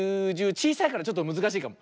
ちいさいからちょっとむずかしいかも。